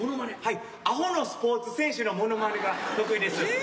あほのスポーツ選手のモノマネが得意です。